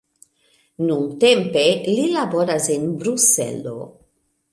Nuntempe li laboras en Bruselo.